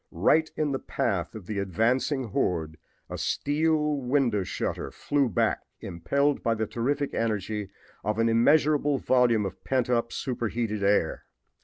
Right in the path of the advancing horde a steel window shutter flew back, impelled by the terrific energy of an immeasurable volume of pent up superheated air.